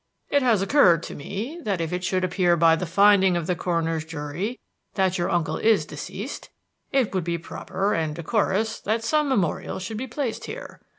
It has occurred to me that if it should appear by the finding of the coroner's jury that your uncle is deceased, it would be proper and decorous that some memorial should be placed here.